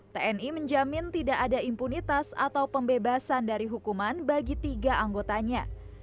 tni menjamin tidak ada impunitas atau pembebasan dari hukuman bagi tiga anggotanya